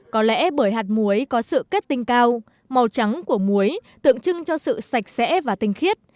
có lẽ bởi hạt muối có sự kết tinh cao màu trắng của muối tượng trưng cho sự sạch sẽ và tinh khiết